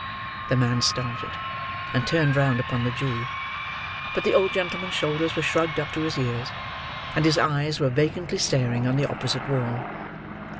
The man started, and turned round upon the Jew. But the old gentleman's shoulders were shrugged up to his ears; and his eyes were vacantly staring on the opposite wall.